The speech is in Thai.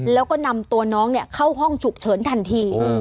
แล้วก็นำตัวน้องเข้าห้องฉุกเฉินทันที